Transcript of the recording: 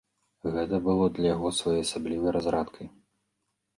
Гэта было для яго своеасаблівай разрадкай.